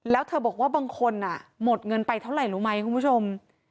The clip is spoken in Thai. แล้วเธอบอกว่าบางคนหมดเงินไปเท่าไหร่รู้ไหมคุณผู้ชม